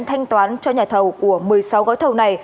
thanh toán cho nhà thầu của một mươi sáu gói thầu này